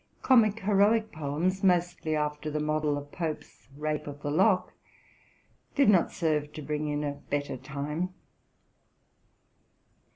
Comic heroic poems, mostly after the model of Pope's '' Rape of the Lock,"' did not serve to bring in a better time.